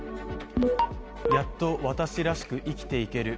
やっと私らしく生きていける。